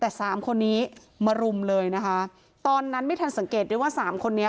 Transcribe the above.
แต่สามคนนี้มารุมเลยนะคะตอนนั้นไม่ทันสังเกตได้ว่าสามคนนี้